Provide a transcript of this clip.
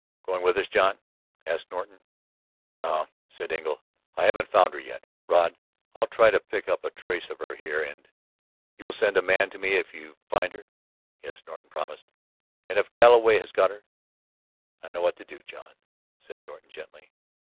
"Going with us, John?" asked Norton. "No," said Engle. "We haven't found her yet, Rod. I'll try to pick up a trace of her here. And ... you'll send a man to me if you find her?" "Yes," Norton promised. "And if Galloway has got her ..." "I'll know what to do, John," said Norton gently.